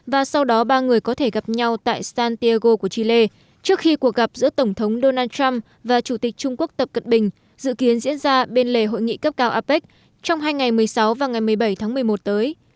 và sau đó ba người có thể gặp nhau tại santiago của chile trước khi cuộc gặp giữa tổng thống donald trump và chủ tịch trung quốc tập cận bình dự kiến diễn ra bên lề hội nghị cấp cao apec trong hai ngày một mươi sáu và ngày một mươi bảy tháng một mươi một tới